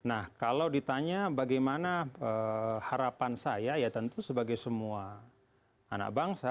nah kalau ditanya bagaimana harapan saya ya tentu sebagai semua anak bangsa